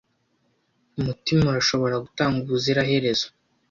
umutima urashobora gutanga ubuziraherezo